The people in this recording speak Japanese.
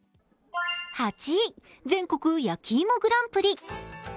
８位、全国やきいもグランプリ。